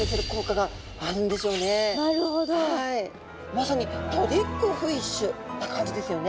まさにトリックフィッシュな感じですよね。